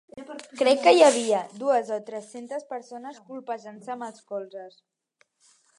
Crec que hi havia dues o tres-centes persones colpejant-se amb els colzes.